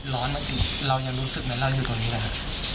ร้อนแล้วเรายังรู้สึกไหมเราอยู่ตรงนี้หรือครับ